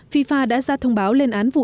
fifa đã ra thông báo lên án vụ